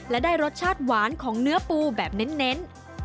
และได้รสชาติหวานของเนื้อปูแบบเน้น